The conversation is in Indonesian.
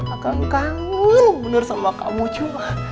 akang kagum bener sama kamu cu